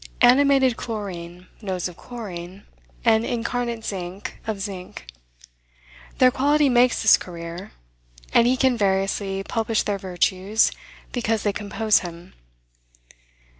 Animated chlorine knows of chlorine, and incarnate zinc, of zinc. Their quality makes this career; and he can variously publish their virtues, because they compose him.